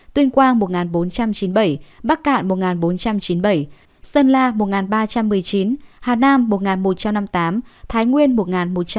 tuyên quang một bốn trăm chín mươi bảy bắc cạn một bốn trăm chín mươi bảy sơn la một ba trăm một mươi chín hà nam một một trăm năm mươi tám thái nguyên một một trăm ba mươi tám